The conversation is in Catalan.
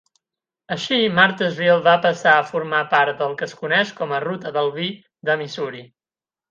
Així, Marthasville va passar a formar part del que es coneix com a "ruta del vi" de Missouri.